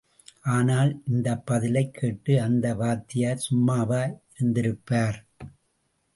ஆனால் இந்தப் பதிலைக் கேட்டு அந்த வாத்தியார் சும்மாவா இருந்திருப்பார்?